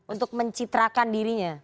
untuk mencitrakan dirinya